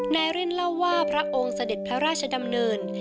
ริ่นเล่าว่าพระองค์เสด็จพระราชดำเนิน